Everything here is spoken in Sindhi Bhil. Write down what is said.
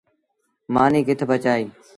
مآݩيٚ ڪٿ پڇائيٚݩ۔